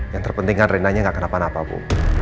yang terpenting kan reina nya gak kena panah apa bu